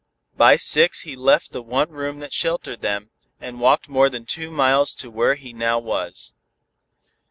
By six he left the one room that sheltered them, and walked more than two miles to where he now was.